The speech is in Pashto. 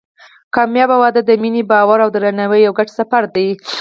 کامیابه واده د مینې، باور او درناوي یو ګډ سفر دی.